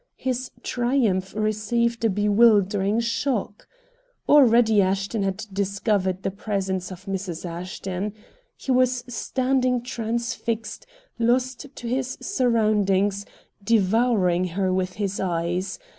His triumph received a bewildering shock. Already Ashton had discovered the presence of Mrs. Ashton. He was standing transfixed, lost to his surroundings, devouring her with his eyes.